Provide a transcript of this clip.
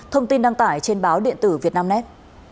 thông tin đăng tải trên báo điện tử việt nam nét